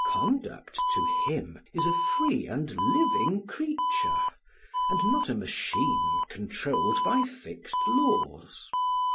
Conduct to him is a free and living creature, and not a machine controlled by fixed laws.